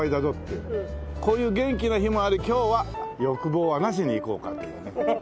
こういう元気な日もあり今日は欲望はなしにいこうかっていうようなね。